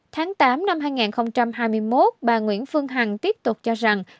tháng tám năm hai nghìn hai mươi một bà nguyễn phương hằng tiếp tục cho rằng